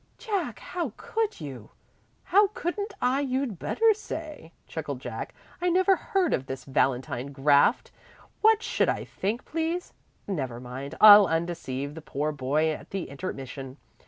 "Jack, how could you?" "How couldn't I you'd better say," chuckled Jack. "I never heard of this valentine graft. What should I think, please? Never mind; I'll undeceive the poor boy at the intermission.